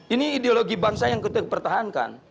ini ideologi bangsa yang kita pertahankan